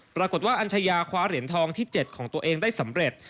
ปรากฏว่าอัญชยาคว้าเหรียญทองที่๗ของตัวเองได้สำเร็จ